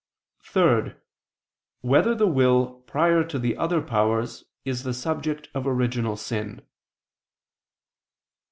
(3) Whether the will prior to the other powers is the subject of original sin?